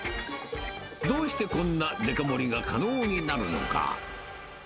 どうしてこんなデカ盛りが可能になるのか。